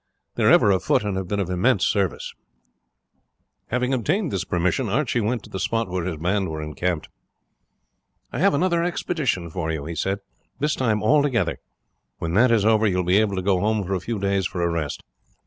They are ever afoot, and have been of immense service." Having obtained this permission, Archie went to the spot where his band were encamped. "I have another expedition for you," he said, "this time all together; when that is over you will be able to go home for a few days for a rest.